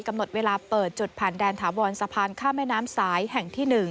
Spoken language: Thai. กำหนดเวลาเปิดจุดผ่านแดนถาวรสะพานข้ามแม่น้ำสายแห่งที่๑